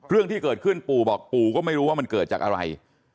เรื่องที่เกิดขึ้นปู่บอกปู่ก็ไม่รู้ว่ามันเกิดจากอะไร